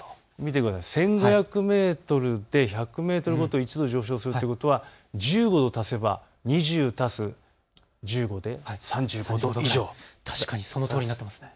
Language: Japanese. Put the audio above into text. １５００メートルで１００メートルごとに１度上昇するということは１５度足せば２０足す１５で３５度以上、確かにそのとおりになっていますね。